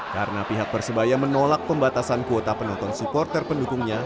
karena pihak persebaya menolak pembatasan kuota penonton supporter pendukungnya